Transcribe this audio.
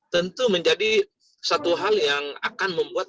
tentu menjadi satu hal yang akan membuat